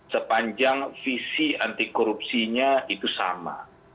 sepanjang visi anti korupsinya itu sama